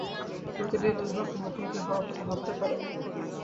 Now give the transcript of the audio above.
প্রতিটা দিনে দুর্ভাগ্যের মুখোমুখি হওয়ার কথা ভাবতে পারো?